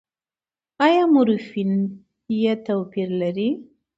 ایا مورفیم يې توپیر لري؟